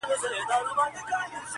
راپاڅي نۀ ظلم په خپل ځان باندې قام هم